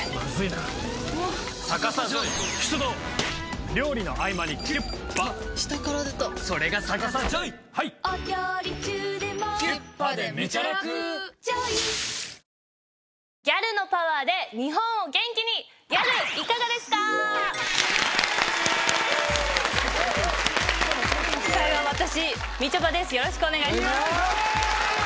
よろしくお願いします。